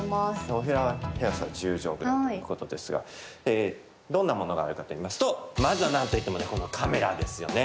お部屋の広さ１０畳くらいということですがどんなものがあるかといいますとまずは、何といってもねこのカメラですよね。